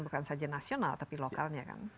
bukan saja nasional tapi lokalnya kan